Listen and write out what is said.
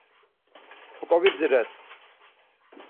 Xo, kovidziret.